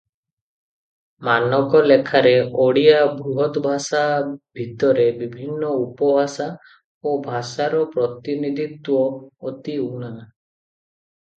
ମାନକ ଲେଖାରେ ଓଡ଼ିଆ ବୃହତଭାଷା ଭିତରେ ବିଭିନ୍ନ ଉପଭାଷା ଓ ଭାଷାର ପ୍ରତିନିଧିତ୍ୱ ଅତି ଊଣା ।